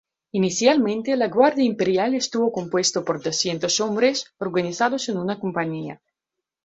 Inicialmente, la Guardia imperial estuvo compuesta por doscientos hombres, organizados en una compañía.